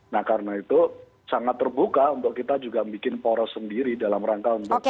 nah karena itu sangat terbuka untuk kita juga bikin poros sendiri dalam rangka untuk